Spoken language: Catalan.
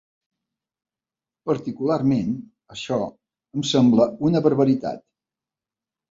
Particularment, això em sembla una barbaritat.